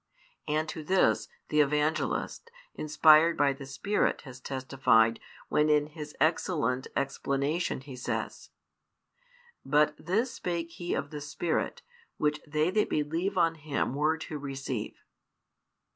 And to this, the Evangelist, inspired by the Spirit, has testified, when in his excellent explanation he says: But this spake He of the Spirit, Which they that believe on Him were to receive.